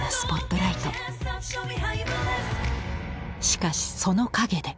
しかしその陰で。